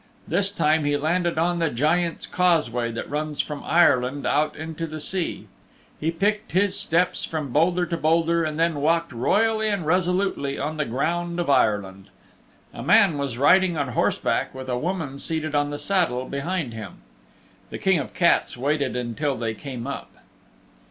This time he landed on the Giant's Causeway that runs from Ireland out into the sea. He picked his steps from boulder to boulder, and then walked royally and resolutely on the ground of Ireland. A man was riding on horseback with a woman seated on the saddle behind him. The King of the Cats waited until they came up.